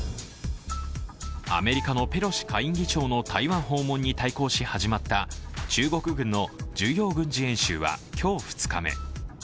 アメリカのペロシ下院議長の台湾訪問に対抗し始まった中国軍の重要軍事演習は今日２日目。